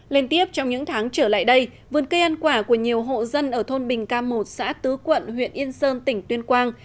lên tiếp trong những tháng trở lại đây vườn cây ăn quả của nhiều hộ dân ở thôn bình cam một xã tứ quận huyện yên sơn tỉnh tuyên quang